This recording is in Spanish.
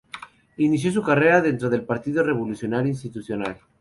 Inició su carrera dentro del Partido Revolucionario Institucional.